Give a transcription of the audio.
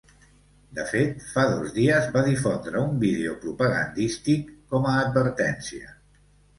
De fet, fa dos dies va difondre un vídeo propagandístic com a advertència.